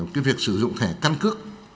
cái việc sử dụng thẻ căn cước